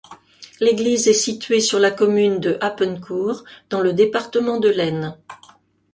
L'église est située sur la commune de Happencourt, dans le département de l'Aisne.